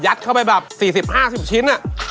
ยัดเข้าไปแบบ๔๐๕๐ชิ้นอะ